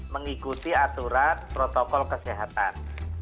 mengikuti aturan protokol kesehatan